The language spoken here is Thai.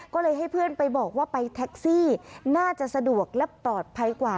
ก็เลยให้เพื่อนไปบอกว่าไปแท็กซี่น่าจะสะดวกและปลอดภัยกว่า